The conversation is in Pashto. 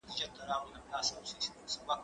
زه هره ورځ مکتب ته ځم،